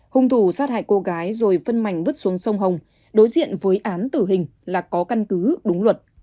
hung thủ sát hại cô gái rồi phân mảnh vứt xuống sông hồng đối diện với án tử hình là có căn cứ đúng luật